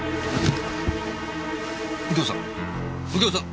右京さん？